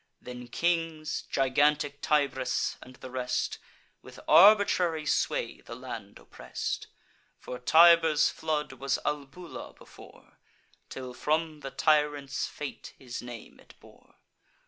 Then kings, gigantic Tybris, and the rest, With arbitrary sway the land oppress'd: For Tiber's flood was Albula before, Till, from the tyrant's fate, his name it bore.